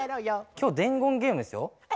今日伝言ゲームですよ。え？